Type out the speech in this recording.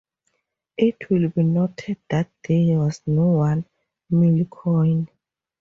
It will be noted that there was no one-mil coin.